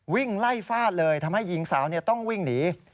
วิ่งไล่ฟาดเลยทำให้หญิงสาวต้องวิ่งหนี